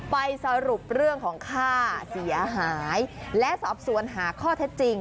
ไปสรุปเรื่องของค่าเสียหายและสอบสวนหาข้อเท็จจริง